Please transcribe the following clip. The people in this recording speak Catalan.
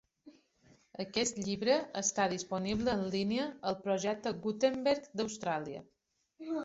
Aquest llibre està disponible en línia al Projecte Gutenberg d'Austràlia.